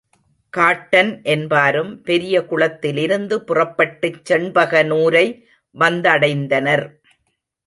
Cotton என்பாரும் பெரிய குளத்திலிருந்து புறப்பட்டுச் செண்பகனூரை வந்தடைந்தனர்.